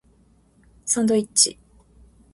サンドイッチ